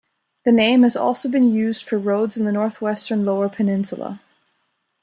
The name has also been used for roads in the northwestern Lower Peninsula.